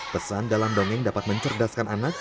pesan dalam dongeng dapat mencerdaskan anak